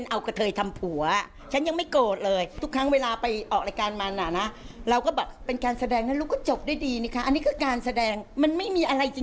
แล้วถ้าวันหนึ่งถ้ามาเล่นกว่าเราเราจะโอเคไหม